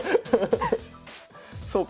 そうか。